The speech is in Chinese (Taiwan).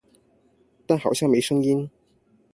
但好像沒聲音